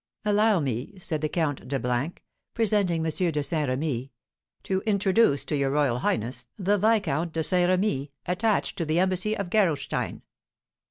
"Allow me," said the Count de , presenting M. de Saint Remy, "to introduce to your royal highness the Viscount de Saint Remy, attached to the embassy of Gerolstein."